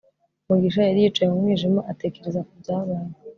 mugisha yari yicaye mu mwijima atekereza ku byabaye